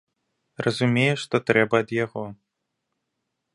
Разумее, што трэба ад яго.